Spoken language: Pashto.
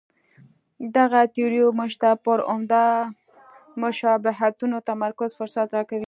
دغه تیوري موږ ته پر عمده مشابهتونو تمرکز فرصت راکوي.